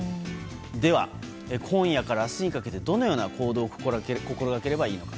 では、今夜から明日にかけてどのような行動を心がければいいのか。